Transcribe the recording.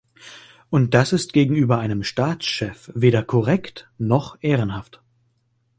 Und das ist gegenüber einem Staatschef weder korrekt noch ehrenhaft.